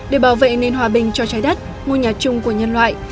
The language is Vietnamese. để bảo vệ nền hòa bình cho trái đất ngôi nhà chung của nhân loại